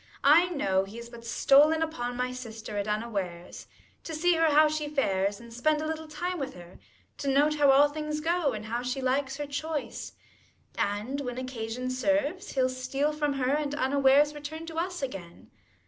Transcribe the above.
I know, he is but stolen upon my sister At unawares, to see her how she fares, And spend a little time with her, to note *f How all things go, and how she likes her choice : 1 5 And when occasion serves, he'll steal from her, And unawares return to us again.